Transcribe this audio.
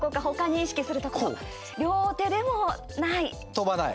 飛ばない。